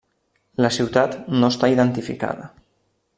La ciutat no està identificada.